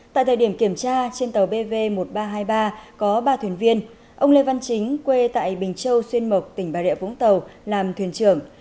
tại thời điểm kiểm tra trên tàu bv một nghìn ba trăm hai mươi ba có ba thuyền viên ông lê văn chính quê tại bình châu xuyên mộc tỉnh bà rịa vũng tàu làm thuyền trưởng